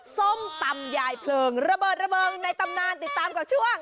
ส้มตำยายเพลิงระเบิดระเบิงในตำนานติดตามกับช่วง